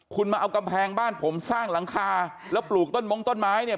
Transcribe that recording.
คุณมาเอากำแพงบ้านผมสร้างหลังคาแล้วปลูกต้นมงต้นไม้เนี่ย